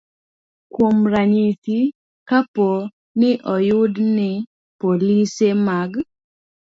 Kuom ranyisi, kapo ni oyud ni polise mag